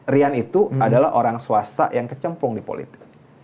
rian itu adalah orang swasta yang kecemplung di politik